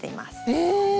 え！